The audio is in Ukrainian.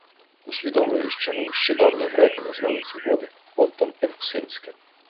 Усвідомлюєш, чому ще давні греки назвали ці води «Понтом Евксинським»